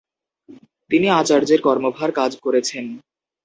তিনি আচার্যের কর্মভার কাজ করেছেন।